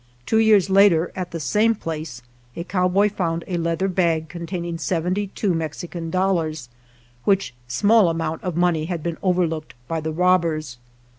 Two years later, at the same place, a cow boy found a leather bag containing seventy two Mexican dollars, which small amount of money had been overlooked by the robbers.